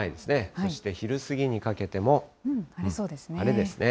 そして昼過ぎにかけても、晴れですね。